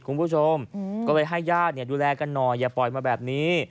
คุณผู้ชมก็เลยให้ญาติดูแลกันหน่อยอย่าปล่อยมาแบบนี้